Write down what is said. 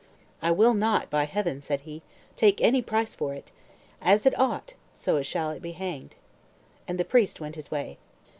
"I will not, by Heaven," said he, "take any price for it. As it ought, so shall it be hanged." And the priest went his way.